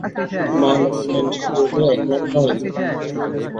মান-অপমান শুধু ওদের একলার নয়?